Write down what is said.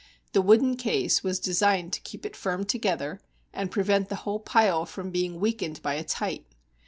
The wooden case was designed to keep it firm together, and prevent the whole pile from being weakened by its height.